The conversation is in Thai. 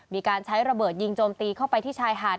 มีการใช้ระเบิดจมจมตีไปที่ชายหาด